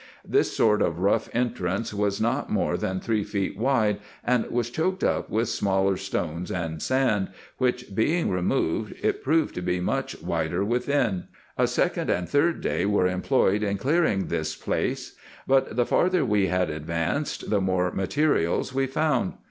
Tins sort of rough entrance was not more than three feet wide, and was choked up with smaller stones and sand, which being removed, it proved to be much wider within. A second and third day were employed in clearing this place ; but the farther we advanced, the more materials we found.